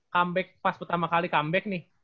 comeback pas pertama kali comeback nih